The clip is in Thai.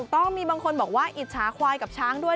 ต้องมีบางคนบอกว่าอิจฉาควายกับช้างด้วย